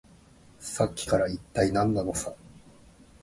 さっきから、いったい何なのさ。